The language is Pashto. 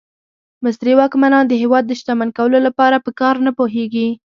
مصري واکمنان د هېواد د شتمن کولو لپاره په کار نه پوهېږي.